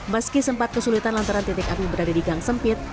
meski sempat kesulitan lantaran titik api berada di gang sempit